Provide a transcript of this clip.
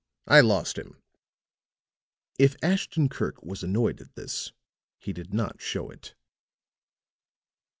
I lost him." If Ashton Kirk was annoyed at this, he did not show it.